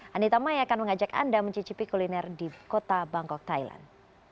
anita mai akan mengajak anda mencicipi kuliner di kota bangkok thailand